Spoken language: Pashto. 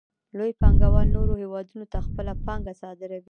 لوی پانګوال نورو هېوادونو ته خپله پانګه صادروي